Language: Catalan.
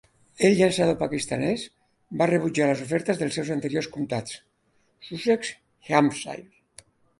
El llançador pakistanès va rebutjar les ofertes dels seus anteriors comtats, Sussex i Hampshire.